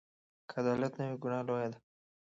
که عدالت نه وي، ګناه لویه ده.